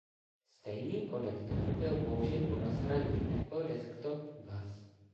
Stejný konektor byl použit u rozhraní Apple Desktop Bus.